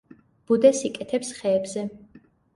ბუდეს იკეთებს ხეებზე.